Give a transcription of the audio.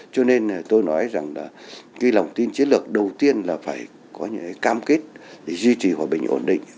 cho nên tôi nói rằng là cái lòng tin chiến lược đầu tiên là phải có những cam kết để duy trì hòa bình ổn định